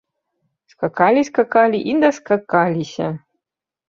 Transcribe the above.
Скакалі, скакалі і даскакаліся.